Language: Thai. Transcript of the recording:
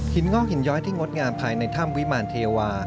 งอกหินย้อยที่งดงามภายในถ้ำวิมารเทวา